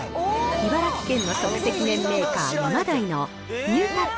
茨城県の即席麺メーカー、ヤマダイのニュータッチ